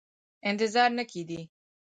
انتظار نه کېدی.